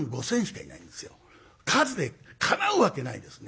数でかなうわけないですね。